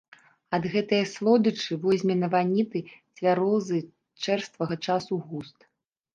Ад гэтае слодычы возьме на ваніты цвярозы чэрствага часу густ.